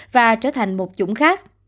và trở thành một chủng khác